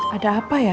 ada apa ya